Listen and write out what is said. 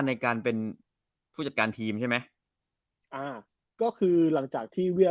ในการเป็นผู้จัดการทีมใช่ไหมอ่าก็คือหลังจากที่เวียด